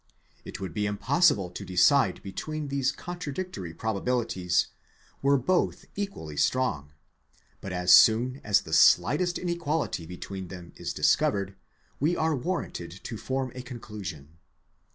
It would be im possible to decide between these contradictory probabilities were both equally strong, but as soon as the slightest inequality between them is discovered, we are warranted to form a conclusion.